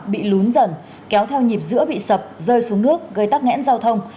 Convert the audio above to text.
bị lún dần kéo theo nhịp giữa bị sập rơi xuống nước gây tắc nghẽn giao thông